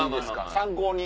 参考に。